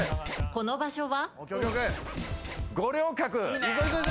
この場所は？